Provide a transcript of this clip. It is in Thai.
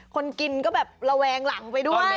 คนกินก็แบบระแวงหลังไปด้วย